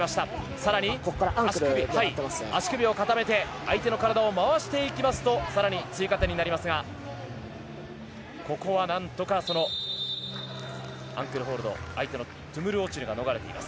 更に足首を固めて相手の体を回していきますと更に追加点になりますがここはなんとかアンクルホールド相手のトゥムル・オチルが逃れています。